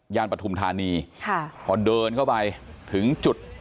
ปฐุมธานีค่ะพอเดินเข้าไปถึงจุด